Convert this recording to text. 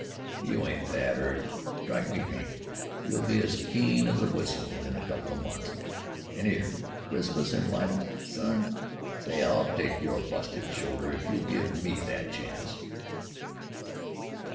"You ain't bad 'urt! Strike me pink! You'll be as keen as a w'istle in a couple o' months. An' 'ere! Christmas in Blightey, son! S'y! I'll tyke yer busted shoulder if you'll give me the chanct!"